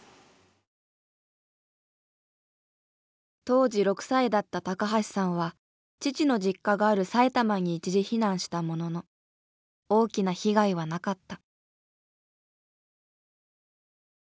当時６歳だった橋さんは父の実家がある埼玉に一時避難したものの大きな被害はなかった。